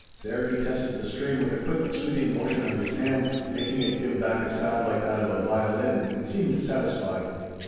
There he tested the string with a quick sweeping motion of his hand, making it give back a sound like that of a violin, and seemed satisfied.